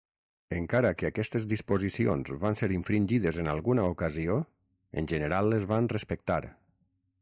Encara que aquestes disposicions van ser infringides en alguna ocasió, en general es van respectar.